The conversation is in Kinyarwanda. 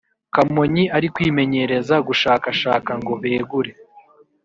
Kamonyi ari kwimenyereza gushakashaka ngo begure